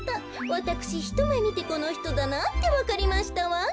わたくしひとめみてこのひとだなってわかりましたわん。